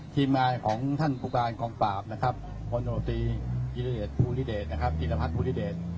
ทีมงานของท่านปุกรานคองปราบคนโดตีอิริภัทพุธิเดช